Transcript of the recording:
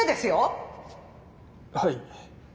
はい。